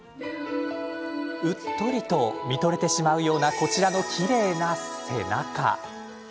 うっとりと見とれてしまうようなこちらのきれいな背中。